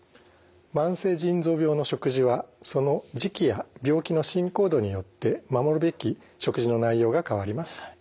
慢性腎臓病の食事はその時期や病気の進行度によって守るべき食事の内容が変わります。